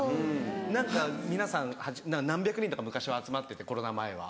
何か皆さん何百人とか昔は集まっててコロナ前は。